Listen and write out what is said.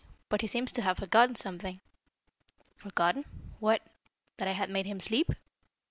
But he seems to have forgotten something." "Forgotten? What? That I had made him sleep?"